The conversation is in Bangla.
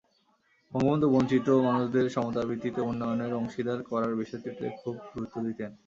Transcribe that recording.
বঙ্গবন্ধু বঞ্চিত মানুষদের সমতার ভিত্তিতে উন্নয়নের অংশীদার করার বিষয়টিতে খুবই গুরুত্ব দিতেন।